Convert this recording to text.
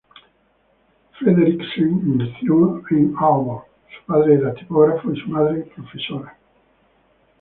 Frederiksen nació en Aalborg; su padre era tipógrafo y su madre profesora.